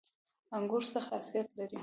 انګور څه خاصیت لري؟